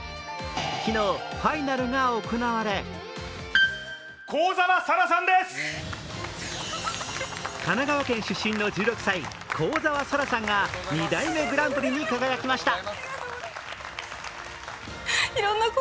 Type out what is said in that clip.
昨日、ファイナルが行われ神奈川県出身の１６歳、幸澤沙良さんが２代目グランプリに輝きました。